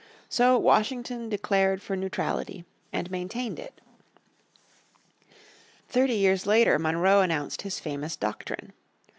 So Washington declared for neutrality, and maintained it. Thirty years later Monroe announced his famous Doctrine.